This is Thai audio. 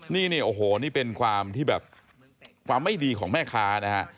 นี่เนี่ยโอ้โหนี่เป็นความที่แบบความไม่ดีของแม่ค้านะฮะ